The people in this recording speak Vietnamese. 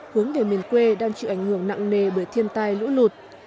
hướng về miền quê đang chịu ảnh hưởng nặng nề bởi thiên tai lũ lụt